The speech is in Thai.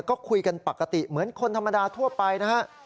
ก็คุยกันปกติเหมือนคนธรรมดาทั่วไปนะฮะ